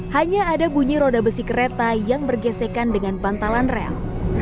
hanya ada bunyi roda besi kereta yang bergesekan dengan bantalan rel